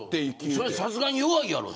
それは、さすがに弱いやろ。